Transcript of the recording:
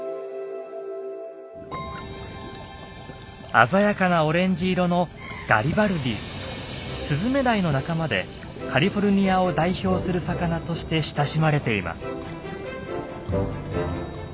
鮮やかなオレンジ色のスズメダイの仲間でカリフォルニアを代表する魚として親しまれています。